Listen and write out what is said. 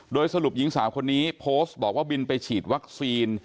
โดยสรุปหญิงสาวคนนี้โพสต์บอกว่าบินไปฉีดวัคซีน